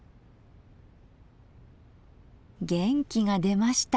元気が出ました。